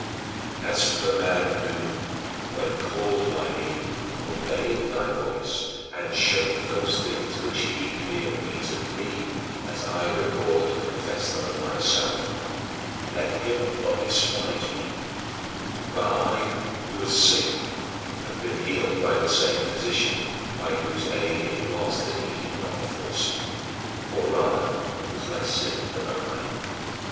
As for that man who, when called by thee, obeyed thy voice and shunned those things which he here reads of me as I recall and confess them of myself, let him not despise me for I, who was sick, have been healed by the same Physician by whose aid it was that he did not fall sick, or rather was less sick than I.